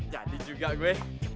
jadi juga gue